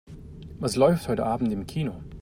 Was läuft heute Abend im Kino?